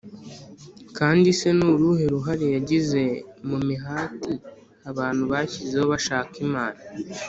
kandi se ni uruhe ruhare yagize mu mihati abantu bashyizeho bashaka imana?